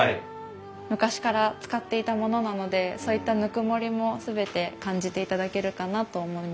昔から使っていたものなのでそういったぬくもりも全て感じていただけるかなと思いました。